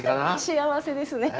幸せですね。